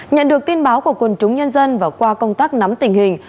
nhận được tin báo của quần chúng nhân dân và qua công tác nắm tình hình